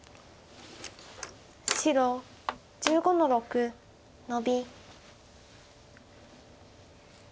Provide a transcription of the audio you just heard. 白１５の六ノビ。